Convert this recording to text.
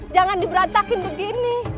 jangan diberantakin begini